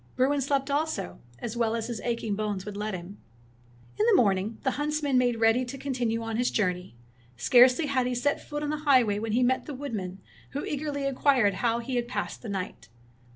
Bruin slept also, as well as his aching bones would let him. In the morning the huntsman made ready to continue on his journey. Scarcely had he set foot on the highway when he met the woodman, who eagerly inquired how he had passed the night.